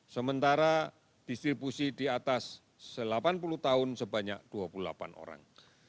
sementara distribusi di atas delapan puluh tahun sebanyak dua puluh delapan orang